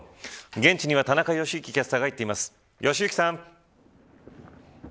現地には田中良幸キャスターが行っています。